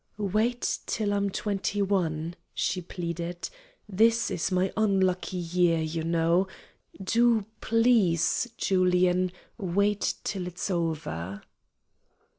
"Wait till I'm twenty one," she pleaded. "This is my unlucky year, you know. Do please, Julian, wait till it's over."